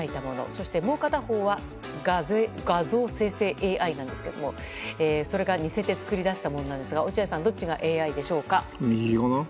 そして、もう片方は画像生成ＡＩなんですがそれが似せて作りだしたものですが落合さんどっちがＡＩでしょうか。